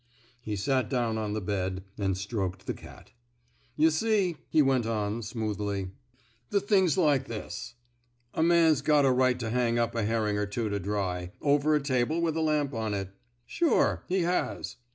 He sat down on the bed, and stroked the cat. *' Yuh see," he went on, smoothly, the thing's like this: A man's got a 81 THE SMOKE EATEES right to hang up a herring er two to dry, over a table with a lamp on it. Sure, he has.